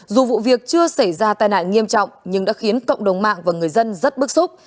dù vụ việc chưa xảy ra tai nạn nghiêm trọng nhưng đã khiến cộng đồng mạng và người dân rất bức xúc